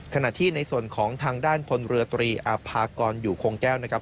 ขณะที่ในส่วนของทางด้านพลเรือตรีอาภากรอยู่คงแก้วนะครับ